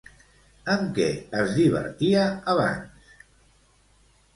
Amb què es divertia abans?